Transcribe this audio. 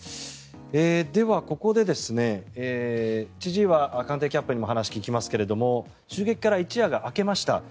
では、ここで千々岩官邸キャップにも話を聞きますけれど襲撃から一夜が明けました。